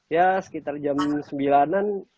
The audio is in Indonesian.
ya sekitar jam sembilan an